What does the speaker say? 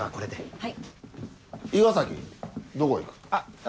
はい。